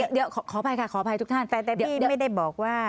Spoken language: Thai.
เดี๋ยวขออภัยค่ะขออภัยทุกท่านแต่พี่ไม่ได้บอกว่า